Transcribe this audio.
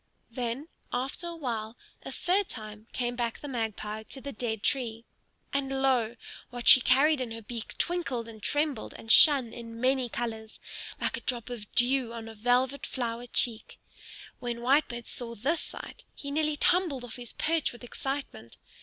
Then, after a while, a third time came back the Magpie to the dead tree. And lo, what she carried in her beak twinkled and trembled and shone in many colors, like a drop of dew on a velvet flower cheek. When Whitebird saw this sight, he nearly tumbled off his perch with excitement.